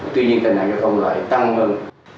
tuy nhiên tại nạn giao thông lại tăng hơn